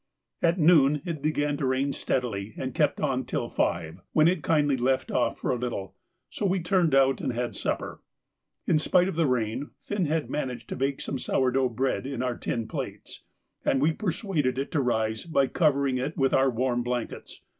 At noon it began to rain steadily and kept on till five, when it kindly left off for a little, so we turned out and had supper. In spite of the rain, Finn had managed to bake some sour dough bread in our tin plates, and he persuaded it to rise by covering it with our warm blankets.